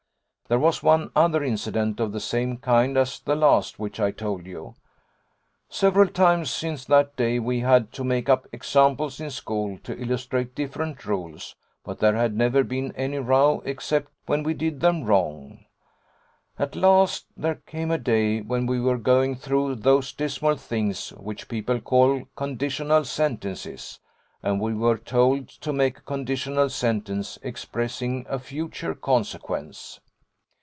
'There was one other incident of the same kind as the last which I told you. Several times since that day we had had to make up examples in school to illustrate different rules, but there had never been any row except when we did them wrong. At last there came a day when we were going through those dismal things which people call Conditional Sentences, and we were told to make a conditional sentence, expressing a future consequence.